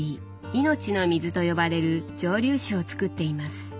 命の水と呼ばれる蒸留酒をつくっています。